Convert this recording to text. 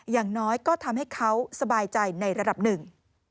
อย่างน้อยก็ทำให้เขาสบายใจในระดับหนึ่ง